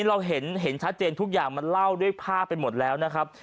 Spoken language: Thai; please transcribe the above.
เราเห็นชัดเจนทุกอย่างมันเล่าด้วยภาพไปหมดแล้วนะครับ